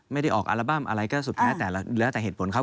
ไม่ได้ออกอัลบั้มอะไรก็สุดแท้แต่แล้วแต่เหตุผลครับ